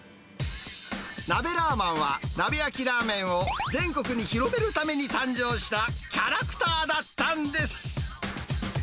なべラーマンは、鍋焼きラーメンを全国に広めるために誕生したキャラクターだったんです。